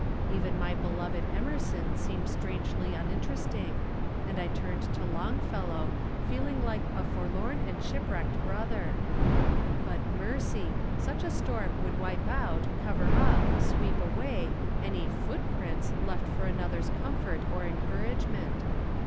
Even my beloved Emerson seemed From Different Standpoints. 25 strangely uninteresting, and I turned to Long fellow, feeling like a " forlorn and shipwrecked brother." But mercy ! such a storm would wipe out, cover up, sweep away smj footprints left for another's comfort or encouragement.